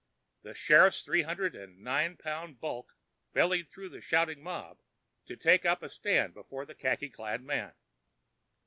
The sheriff's three hundred and nine pound bulk bellied through the shouting mob to take up a stand before the khaki clad man.